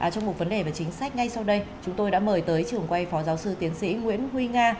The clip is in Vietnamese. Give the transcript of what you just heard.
trong một vấn đề và chính sách ngay sau đây chúng tôi đã mời tới trường quay phó giáo sư tiến sĩ nguyễn huy nga